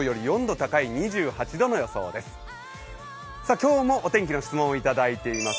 今日もお天気の質問をいただいています。